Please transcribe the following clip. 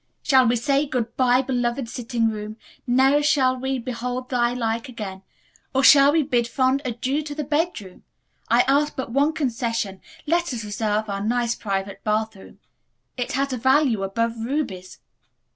Shall we say, 'good bye beloved sitting room, ne'er shall we behold thy like again,' or shall we bid fond adieu to the bedroom? I ask but one concession, let us reserve our nice private bathroom. It has a value above rubies."